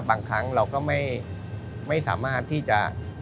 บางครั้งเราก็ไม่สามารถที่จะ